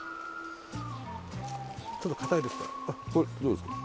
ちょっとかたいですから。